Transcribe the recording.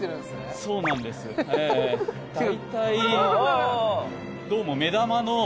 そうなんですか。